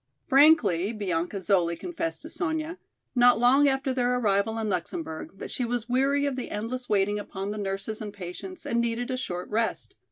Frankly Bianca Zoli confessed to Sonya, not long after their arrival in Luxemburg, that she was weary of the endless waiting upon the nurses and patients and needed a short rest.